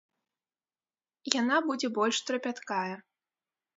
Яна будзе больш трапяткая.